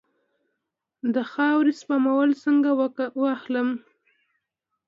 د خاورې سمپل څنګه واخلم؟